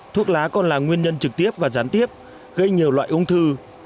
thuốc lá còn là nguyên nhân trực tiếp và gián tiếp gây nhiều loại ung thư